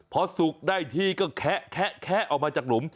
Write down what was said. พอสุกได้ที่ก็แคะแคะแคะออกมาจากหลุม